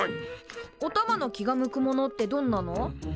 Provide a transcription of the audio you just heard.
おたまの気が向くものってどんなの？